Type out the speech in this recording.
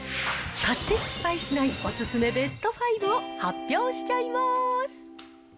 買って失敗しないおすすめベスト５を発表しちゃいます。